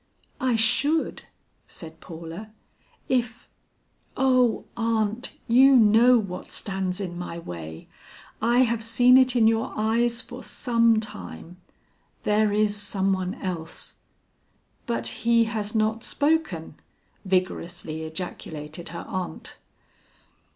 "I should," said Paula, "if Oh aunt, you know what stands in my way! I have seen it in your eyes for some time. There is some one else " "But he has not spoken?" vigorously ejaculated her aunt.